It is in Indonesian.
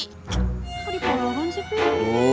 apa di pohon sih pak